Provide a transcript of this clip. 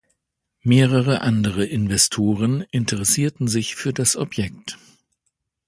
Mehrere andere Investoren interessierten sich für das Objekt.